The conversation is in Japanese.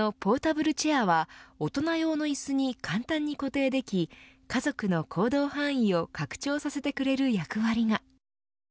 このポータブルチェアは大人用のいすに簡単に固定でき家族の行動範囲を拡張させてくれる役割が。